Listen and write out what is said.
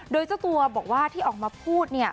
โดยเจ้าตัวบอกว่าที่ออกมาพูด